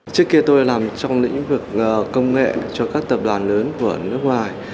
trước kia tôi làm trong lĩnh vực công nghệ cho các tập đoàn lớn của nước ngoài